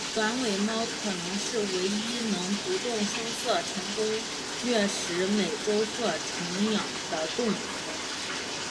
短尾猫可能是唯一能不动声色成功掠食美洲鹤成鸟的动物。